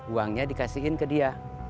uangnya dikasihin ke dia